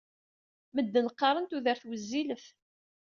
Medden qqaren tudert wezzilet.